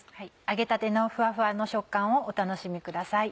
揚げたてのふわふわの食感をお楽しみください。